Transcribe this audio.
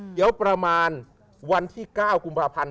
เดี๋ยวประมาณวันที่๙กุมภาพันธ์